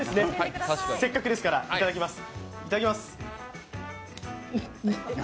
せっかくですからいただきます。